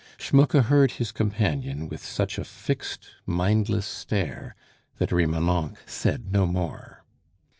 Schmucke heard his companion with such a fixed, mindless stare, that Remonencq said no more.